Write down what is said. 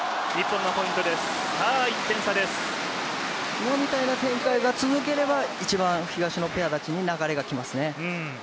今みたいな展開が続けば、東野ペアたちに流れが来ますね。